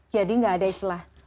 jadi gak ada istilah